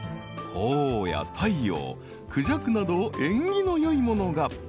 ［鳳凰や太陽クジャクなど縁起のよいものが］